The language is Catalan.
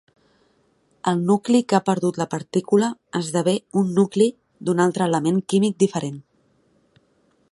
El nucli que ha perdut la partícula esdevé un nucli d'un altre element químic diferent.